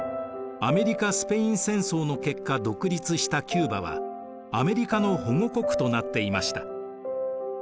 アメリカ・スペイン戦争の結果独立したキューバはアメリカの保護国となっていました。